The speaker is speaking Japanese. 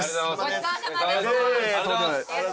ごちそうさまでした。